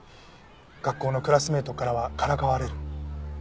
学校のクラスメートからはからかわれる。